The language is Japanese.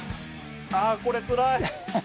あこれつらい！